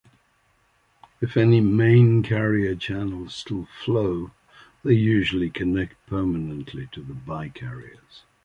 If any main carrier channels still flow, they usually connect permanently to the by-carriers.